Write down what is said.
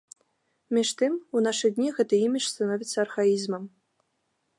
Між тым, у нашы дні гэты імідж становіцца архаізмам.